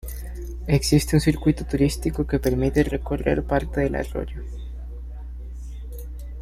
Existe un circuito turístico que permite recorrer parte del arroyo.